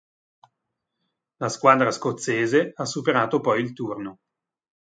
La squadra scozzese ha superato poi il turno.